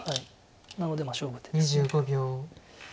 なので勝負手です。